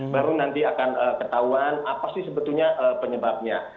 baru nanti akan ketahuan apa sih sebetulnya penyebabnya